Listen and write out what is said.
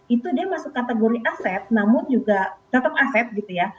itu dia masuk kategori aset namun juga tetap aset gitu ya